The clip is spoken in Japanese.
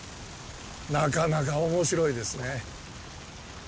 なかなか面白いですね